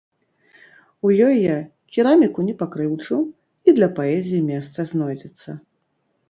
У ёй я кераміку не пакрыўджу і для паэзіі месца знойдзецца.